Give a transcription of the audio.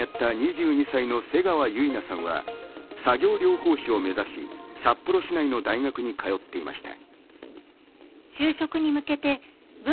被害にあった２２歳の瀬川結菜さんは作業療法士を目指し、札幌市内の大学に通っていました。